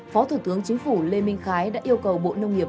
phó thủ tướng chính phủ lê minh khái đã yêu cầu bộ nông nghiệp